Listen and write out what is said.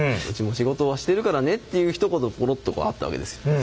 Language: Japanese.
「うちも仕事はしてるからね」というひと言ポロッとあったわけですよ。